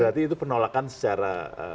berarti itu penolakan secara